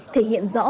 thể hiện rõ